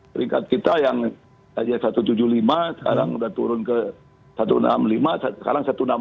peringkat kita yang satu ratus tujuh puluh lima sekarang sudah turun ke satu ratus enam puluh lima sekarang satu ratus enam puluh